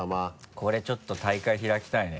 これちょっと大会開きたいね。